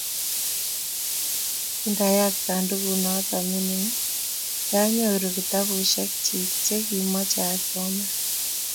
Kindayat sandukut noto mining' kianyoru kitabushiek chik che kiamoche asoman